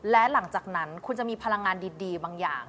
และหลังจากนั้นคุณจะมีพลังงานดีบางอย่าง